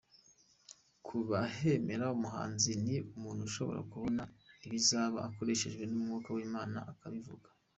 Ku babemera umuhanuzi ni umuntu ushobora kubona ibizaba akoreshejwe n’umwuka w’Imana akabivuga.